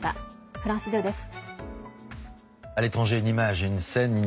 フランス２です。